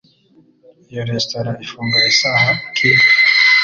Iyo resitora ifunga isaha ki?